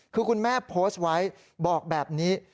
คือคุณแม่โพสต์ไว้บอกแบบนี้